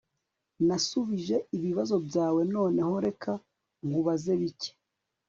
Nasubije ibibazo byawe Noneho reka nkubaze bike